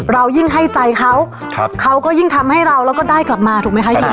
เรายิ่งให้ใจเขาเขาก็ยิ่งทำให้เราแล้วก็ได้กลับมาถูกไหมคะจริง